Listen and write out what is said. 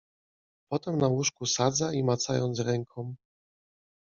Potem na łóżku sadza i macając ręką